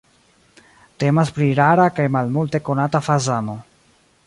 Temas pri rara kaj malmulte konata fazano.